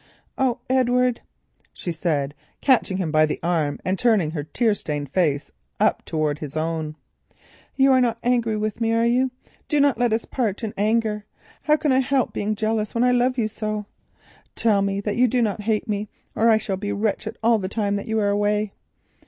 "Oh, Edward," she said, catching him by the arm and turning her tear stained face up towards his own, "you are not angry with me, are you? Do not let us part in anger. How can I help being jealous when I love you so? Tell me that you do not hate me—or I shall be wretched all the time that you are away."